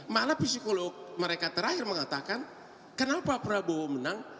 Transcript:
malah psikolog mereka terakhir mengatakan kenapa prabowo menang